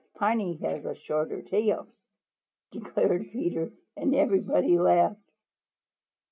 "Piney has a shorter tail," declared Peter, and everybody laughed.